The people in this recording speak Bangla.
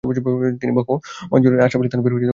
তিনি বঙ্গ অঞ্চলে আশরাফ আলী থানভীর প্রধান শিষ্য ছিলেন।